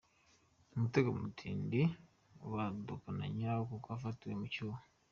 Umutego mutindi ubadukanye nyirawo kuko afatiwe mu cyuho.